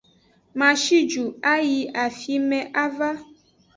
Ma shi ju ayi afieme ava.